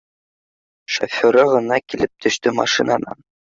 Шоферы ғына килеп төштө машинанан